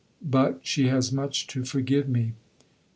But she has much to forgive me."